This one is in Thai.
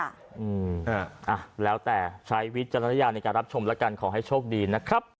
อ่ะแล้วแต่ใช้วิจารณญาณในการรับชมแล้วกันขอให้โชคดีนะครับ